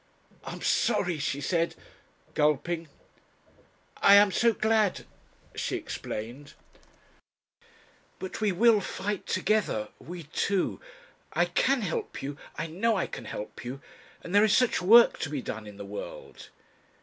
"I'm sorry," she said, gulping. "I am so glad," she explained. "But we will fight together. We two. I can help you. I know I can help you. And there is such Work to be done in the world!"